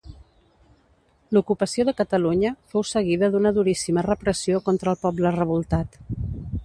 L'ocupació de Catalunya fou seguida d'una duríssima repressió contra el poble revoltat.